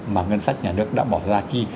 mà ngân sách nhà nước đã bỏ ra chi